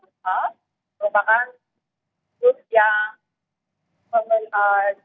ya seperti yang sudah saudara